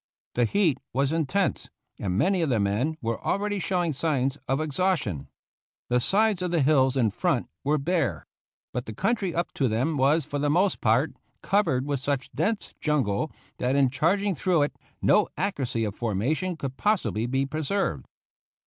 The heat was intense, and many of the men were al ready showing signs of exhaustion. The sides of the hills in front were bare ; but the country up to them was, for the most part, covered with such dense jungle that in charging through it no ac curacy of formation could possibly be preserved.